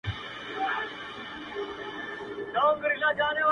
ژونده د څو انجونو يار يم _ راته ووايه نو _